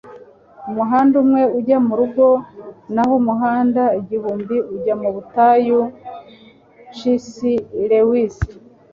umuhanda umwe ujya murugo naho umuhanda igihumbi ujya mu butayu - c s lewis